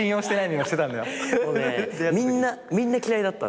もうねみんなみんな嫌いだった。